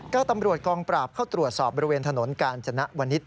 ก็ตำรวจกองปราบเข้าตรวจสอบบริเวณถนนกาญจนวนิษฐ